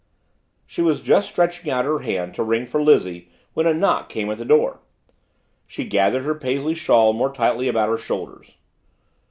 She was just stretching out her hand to ring for Lizzie when a knock came at the door. She gathered her Paisley shawl more tightly about her shoulders.